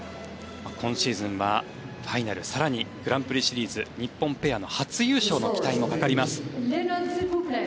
今シーズンはファイナル更にグランプリシリーズ日本ペアの初優勝の期待もかかります。